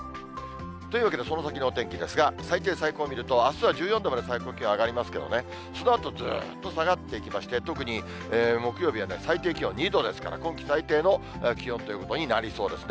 というわけでその先のお天気ですが、最低最高見ると、あすは１４度まで最高気温上がりますけどね、そのあとずーっと下がってきまして、特に木曜日は最低気温２度ですから、今季最低の気温ということになりそうですね。